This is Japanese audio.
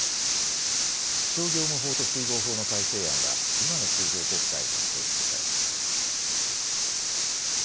気象業務法と水防法の改正案は今の通常国会に提出されます。